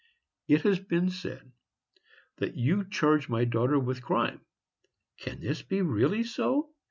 It has been said that you charge my daughter with crime. Can this be really so?